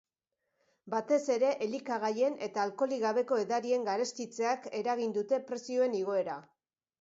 Batez ere, elikagaien eta alkoholik gabeko edarien garestitzeak eragin dute prezioen igoera.